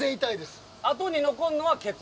あとに残るのはケツ？